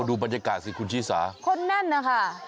ดูบรรยากาศสิคุณชิสาคนแน่นนะคะ